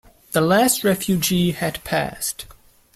The last refugee had passed.